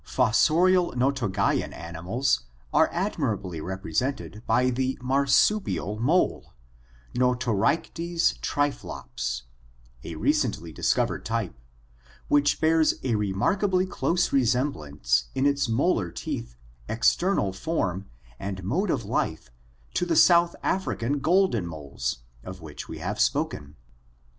Fossorial Notogaean animals are admirably represented by the marsupial "mole," Notorycies typhlops, a recently discovered type, which bears a remarkably close resemblance in its molar teeth, external form, and mode of life to the South African golden moles (Chrysochloridae) of which we have spoken.